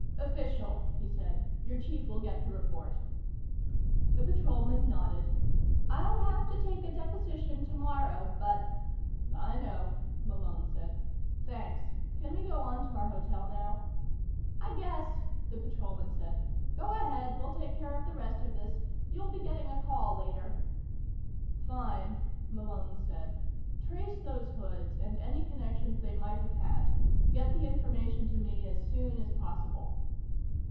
"Official," he said. "Your chief will get the report." The Patrolman nodded. "I'll have to take a deposition tomorrow, but " "I know," Malone said. "Thanks. Can we go on to our hotel now?" "I guess," the Patrolman said. "Go ahead. We'll take care of the rest of this. You'll be getting a call later." "Fine," Malone said. "Trace those hoods, and any connections they might have had. Get the information to me as soon as possible."